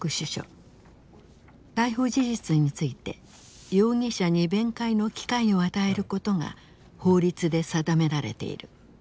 逮捕事実について容疑者に弁解の機会を与えることが法律で定められている。